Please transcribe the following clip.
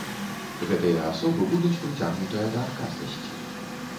Гэтыя асобы будуць прыцягнутыя да адказнасці.